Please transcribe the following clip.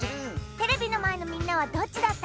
テレビのまえのみんなはどっちだった？